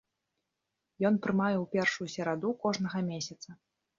Ён прымае ў першую сераду кожнага месяца.